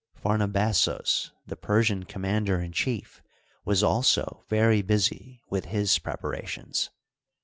Phamabazo§, the Persian commander in chief, was also very busy with his preparations.